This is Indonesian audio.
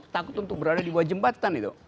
takut untuk berada di bawah jembatan itu